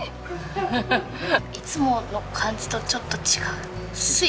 いつもの感じとちょっと違う。